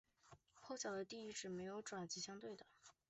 后脚的第一趾没有爪及相对的。